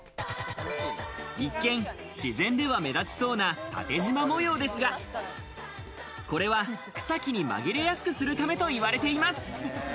一見、自然では目立ちそうな縦縞模様ですが、これは草木に紛れやすくするためといわれています。